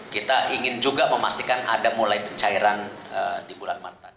kita ingin juga memastikan ada mulai pencairan di bulan maret